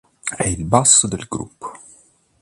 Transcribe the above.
È il basso del gruppo.